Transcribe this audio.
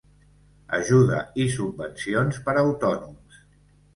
Ajuda i subvencions per a autònoms.